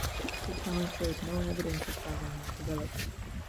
The town shows no evidence of having developed.